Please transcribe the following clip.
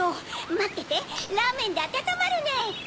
まっててラーメンであたたまるネ。